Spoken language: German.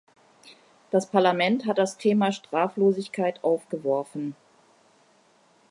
Das Parlament hat das Thema Straflosigkeit aufgeworfen.